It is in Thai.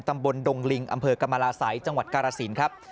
ตำบลดงลิงอำเภอกมรสัยจังหวัดการาศินย์ครับ